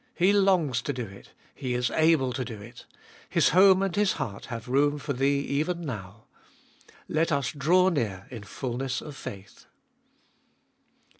He longs to do it ; He is able to do it His home and His heart have room for thee even now. Let US draw near in fulness of faith.